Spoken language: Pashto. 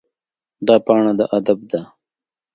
دا پاڼه د ادب ده.